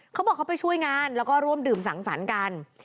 เขาบอกเขาไปช่วยงานแล้วก็ร่วมดื่มสังสรรค์กัน